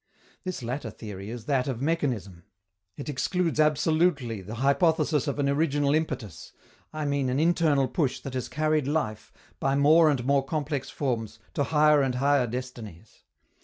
This latter theory is that of mechanism. It excludes absolutely the hypothesis of an original impetus, I mean an internal push that has carried life, by more and more complex forms, to higher and higher destinies.